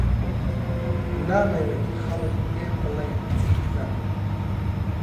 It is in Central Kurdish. نامەوێت خەڵک پێم بڵێن چی بکەم.